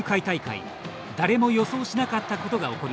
誰も予想しなかったことが起こりました。